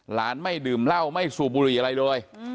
หลานไม่ดื่มเหล้าไม่สู่บุรีอะไรเลย